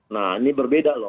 nah ini berbeda loh